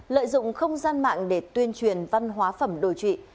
lợi dụng không gian mạng để tuyên truyền văn hóa phẩm đồi trụy